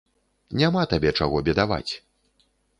Няма табе чаго бедаваць!